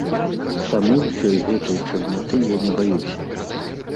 Таму ўсёй гэтай чарнаты я не баюся.